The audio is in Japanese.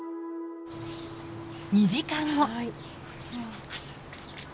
２時間後。